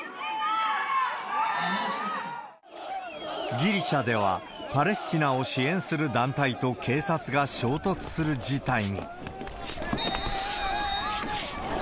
ギリシャでは、パレスチナを支援する団体と警察が衝突する事態に。